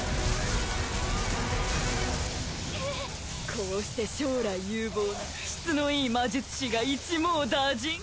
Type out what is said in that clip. こうして将来有望な質のいい魔術師が一網打尽